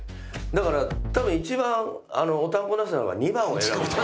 だから多分一番おたんこなすなのは２番を選ぶ人。